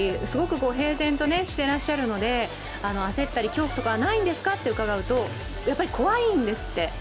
すごく平然としていらっしゃるので、焦ったり恐怖とかないんですか？と伺うとやっぱり怖いんですって。